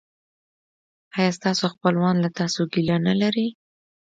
ایا ستاسو خپلوان له تاسو ګیله نلري؟